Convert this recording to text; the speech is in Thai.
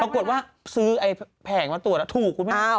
ปรากฏว่าซื้อแผงมาตรวจแล้วถูกคุณแม่